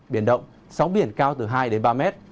biển động sóng biển cao từ hai ba m